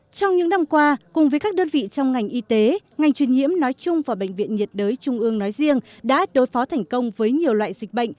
trong những năm qua cùng với các đơn vị trong ngành y tế ngành truyền nhiễm nói chung và bệnh viện nhiệt đới trung ương nói riêng đã đối phó thành công với nhiều loại dịch bệnh